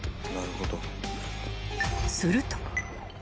［すると］